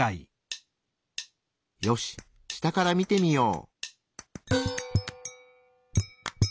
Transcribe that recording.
よし下から見てみよう！